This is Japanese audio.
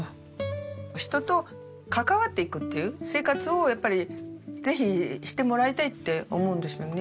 人と関わっていくっていう生活をやっぱりぜひ知ってもらいたいって思うんですよね。